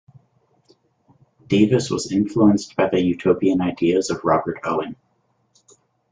Davis was influenced by the utopian ideas of Robert Owen.